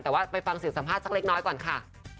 แต่ว่าไปฟังเสียงสัมภาษณ์สักเล็กน้อยก่อนค่ะ